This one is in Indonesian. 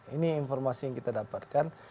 ini informasi yang kita dapatkan